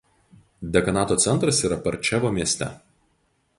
Dekanato centras yra Parčevo mieste.